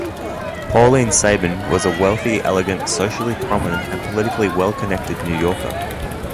Pauline Sabin was a wealthy, elegant, socially prominent, and politically well-connected New Yorker.